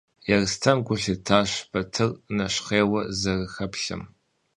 Ерстэм гу лъитащ Батыр нэщхъейуэ зэрыхэплъэм.